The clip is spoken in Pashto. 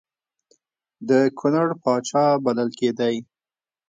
د کنړ پاچا بلل کېدی.